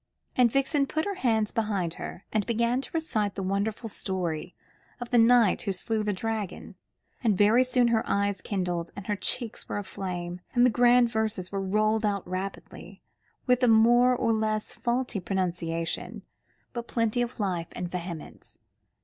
And Vixen put her hands behind her, and began to recite the wonderful story of the knight who slew the dragon, and very soon her eyes kindled and her cheeks were aflame, and the grand verses were rolled out rapidly, with a more or less faulty pronunciation, but plenty of life and vehemence.